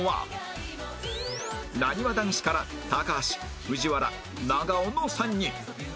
なにわ男子から高橋藤原長尾の３人